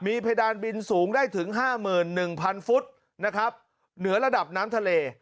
มีเพดานบินสูงได้ถึงห้าหมื่นหนึ่งพันฟุตนะครับเหนือระดับน้ำทะเล